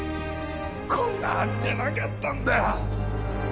こんなはずじゃなかったんだよ